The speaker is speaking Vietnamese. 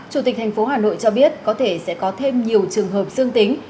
chủ tịch thành phố hà nội cho biết có thể sẽ có thêm nhiều trường hợp dương tính